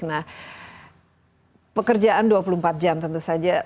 nah pekerjaan dua puluh empat jam tentu saja